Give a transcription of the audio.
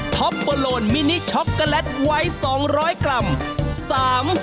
๒ท็อปเปอร์โลนมินิช็อกโกแลตไวท์๒๐๐กรัม